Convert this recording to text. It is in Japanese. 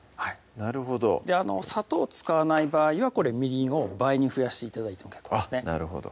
なるほど砂糖を使わない場合はみりんを倍に増やして頂いても結構ですね